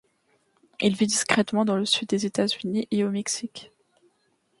Il vit discrètement dans le Sud des États-Unis et au Mexique.